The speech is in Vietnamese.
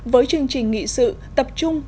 với chương trình nghị sự tập trung